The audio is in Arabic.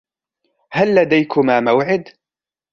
هل لديكما موعد؟